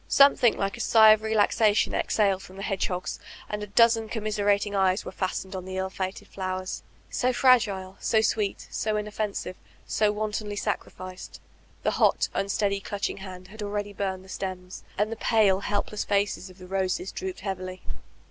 Some thing like a sigh of relaxation exhaled from the hedge hogs, and a dozen commiserating eyes were fastened on the ill fated flowers, — so fragile, so sweet, so inoffensive, so wantonly sacrificed. The hot, unsteady, clutching hand had already burned the stems, and the pale, help less faces of the roses drooped heavily.